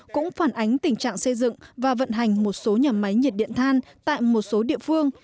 cũng phản ánh tình trạng xây dựng và vận hành một số nhà máy nhiệt điện than tại một số địa phương